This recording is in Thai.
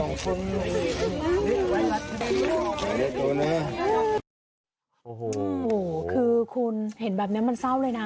โอ้โหคือคุณเห็นแบบนี้มันเศร้าเลยนะ